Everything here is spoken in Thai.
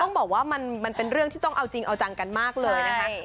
ต้องบอกว่ามันเป็นเรื่องที่ต้องเอาจริงเอาจังกันมากเลยนะคะ